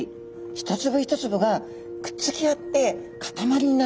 一粒一粒がくっつき合って固まりになってます。